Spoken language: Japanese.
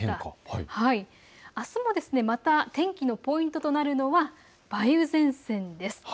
あすもまた天気のポイントとなるのは梅雨前線です。